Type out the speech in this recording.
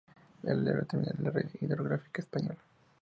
El relieve determina la red hidrográfica española.